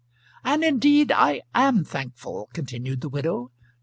"And indeed I am thankful," continued the widow.